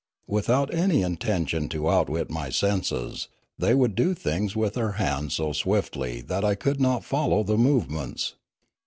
Without any in tention to outwit my senses, they would do things with their hands so swiftly that I could not follow the movements.